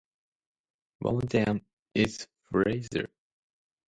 One of them is Fraser.